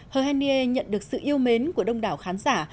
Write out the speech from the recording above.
hờ hen nghê nhận được sự yêu mến của đông đảo khán giả